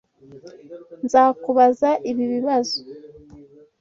Nzakubaza ibi bibazo.